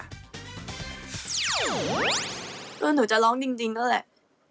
ก็หนูจะร้องจริงนั่นแหละ